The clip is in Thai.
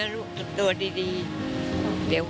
อันดับ๖๓๕จัดใช้วิจิตร